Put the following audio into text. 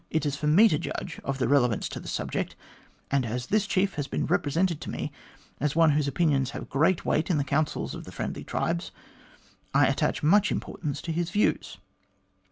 It is for me to judge of the relevance to the subject, and as this chief has been represented to me as one whose opinions have great weight in the councils of the friendly tribes, I attach much importance to his views.'